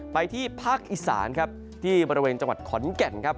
ไปที่ภาคอีสานครับที่บริเวณจังหวัดขอนแก่นครับ